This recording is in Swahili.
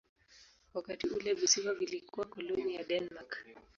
Wakati ule visiwa vilikuwa koloni ya Denmark.